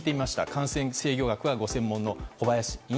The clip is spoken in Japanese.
感染制御学がご専門の小林寅